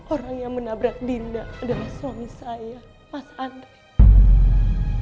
orang yang menabrak dinda adalah suami saya mas andre